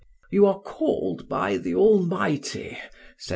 "You are called by the Almighty," said M.